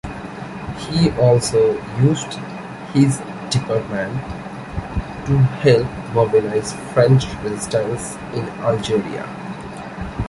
He also used his department to help mobilize French resistance in Algeria.